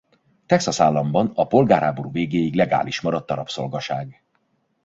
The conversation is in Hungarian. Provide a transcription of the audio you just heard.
Texas államban a polgárháború végéig legális maradt a rabszolgaság.